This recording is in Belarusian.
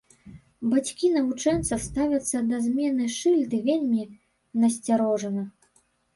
Бацькі навучэнцаў ставяцца да змены шыльды вельмі насцярожана.